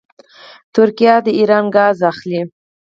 ترکیه د ایران ګاز اخلي.